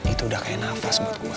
itu udah kayak nafas buat gue